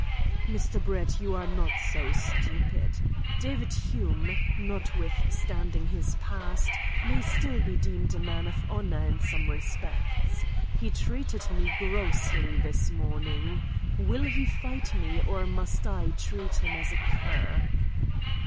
"Mr. Brett, you are not so stupid. David Hume, notwithstanding his past, may still be deemed a man of honour in some respects. He treated me grossly this morning. Will he fight me, or must I treat him as a cur?"